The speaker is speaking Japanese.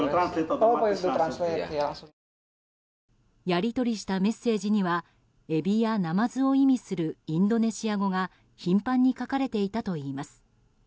やり取りしたメッセージにはエビやナマズを意味するインドネシア語が頻繁に書かれていたといいます。